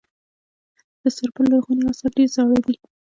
د سرپل لرغوني اثار ډیر زاړه دي